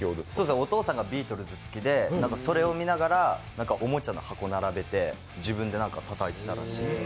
お父さんがビートルズが好きで、それを見ながらおもちゃの箱を並べて自分でなんか、たたいてたらしいです。